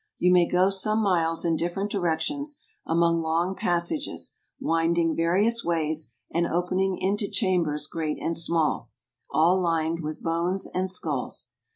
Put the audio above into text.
You may go some miles in different directions, among long passages, winding various ways, and opening into chambers great and small; all lined with bones and sculls.